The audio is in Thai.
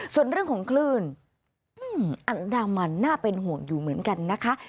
ส่วนเรื่องของคลื่นอันดามันน่าเป็นห่วงอยู่เหมือนกันนะคะ